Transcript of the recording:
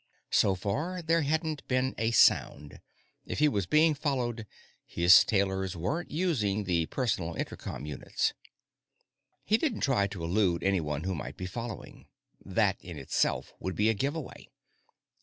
So far, there hadn't been a sound; if he was being followed, his tailers weren't using the personal intercom units. He didn't try to elude anyone who might be following. That, in itself, would be a giveaway.